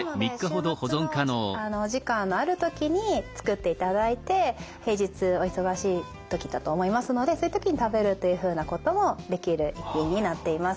なので週末のお時間のある時に作っていただいて平日お忙しい時だと思いますのでそういう時に食べるというふうなこともできる一品になっています。